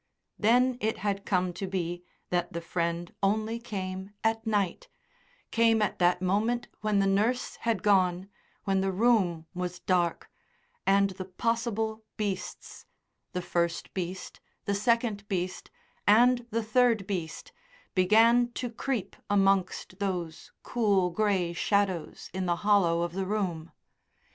Then it had come to be that the friend only came at night, came at that moment when the nurse had gone, when the room was dark, and the possible beasts the first beast, the second beast, and the third beast began to creep amongst those cool, grey shadows in the hollow of the room.